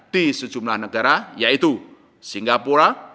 di sejumlah negara yaitu singapura